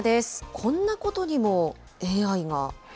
こんなことにもＡＩが。